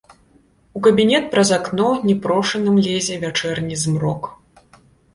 У кабінет праз акно няпрошаным лезе вячэрні змрок.